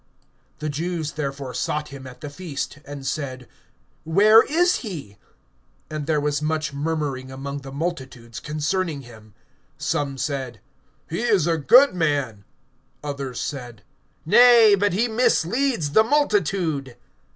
(11)The Jews therefore sought him at the feast, and said: Where is he? (12)And there was much murmuring among the multitudes concerning him. Some said: He is a good man; others said: Nay, but he misleads the multitude.